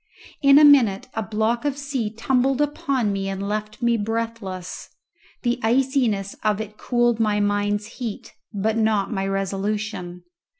In a minute a block of sea tumbled upon me and left me breathless; the iciness of it cooled my mind's heat, but not my resolution.